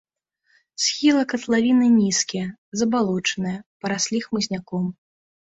Схілы катлавіны нізкія, забалочаныя, параслі хмызняком.